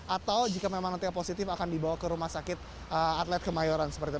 atau jika memang nanti yang positif akan dibawa ke rumah sakit atlet kemayoran seperti itu